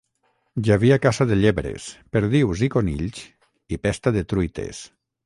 Hi havia caça de llebres, perdius i conills i pesta de truites.